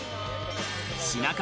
品数